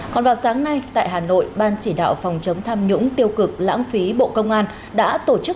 còn vào sáng nay tại hà nội ban chỉ đạo phòng chống tham nhũng tiêu cực lãng phí bộ công an đã tổ chức